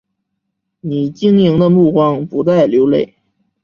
你晶莹的目光不再流泪